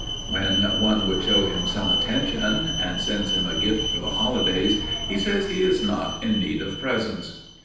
When one would show him some attention and sends him a gift for the holidays, he says he is not in need of presents.